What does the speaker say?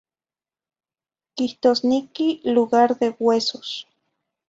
Quihtozniqui lugar de huesos.